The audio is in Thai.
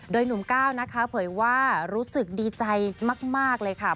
โดยหนุ่มก้าวนะคะเผยว่ารู้สึกดีใจมากเลยค่ะ